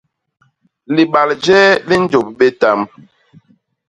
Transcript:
Libal jéé li njôp bé tamb.